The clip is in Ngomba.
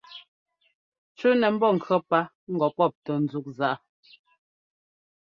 Cú nɛ mbɔ́ŋkʉɔ́ pá ŋgɔ pɔ́p tɔ́ ńzúk zaꞌa.